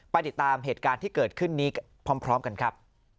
ติดตามเหตุการณ์ที่เกิดขึ้นนี้พร้อมกันครับ